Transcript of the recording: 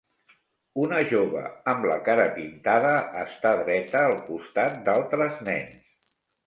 una jove amb la cara pintada està dreta al costat d'altres nens.